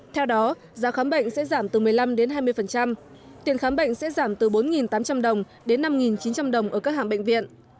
theo đó giá khám bệnh sẽ giảm từ một mươi năm hai mươi tiền khám bệnh sẽ giảm từ bốn tám trăm linh đồng đến năm chín trăm linh đồng ở các hạng bệnh viện